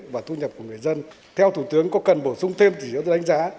và thu nhập của người dân theo thủ tướng có cần bổ sung thêm chỉ tiêu cho đánh giá